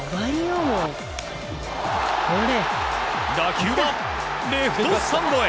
打球はレフトスタンドへ！